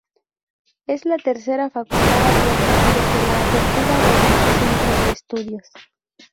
Es la tercera facultad abierta desde la apertura de dicho centro de estudios.